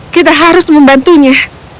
kita harus membantunya